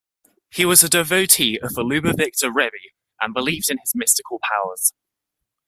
He was a devotee of The Lubavitcher Rebbe and believed in his mystical powers.